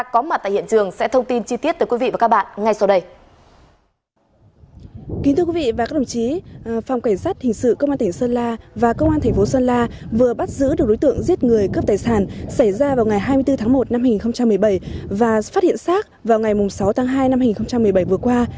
thưa quý vị và các đồng chí phòng cảnh sát hình sự công an tỉnh sơn la và công an thành phố sơn la vừa bắt giữ được đối tượng giết người cướp tài sản xảy ra vào ngày hai mươi bốn tháng một năm hai nghìn một mươi bảy và phát hiện xác vào ngày sáu tháng hai năm hai nghìn một mươi bảy vừa qua